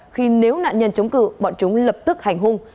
khi nếu nạn nhân chống cự bọn chúng lập tức hành hung